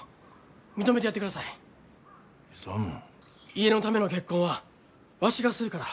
家のための結婚はわしがするから。